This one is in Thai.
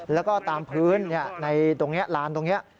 แล้วก็ตามพื้นในตรงนี้ลานตรงนี้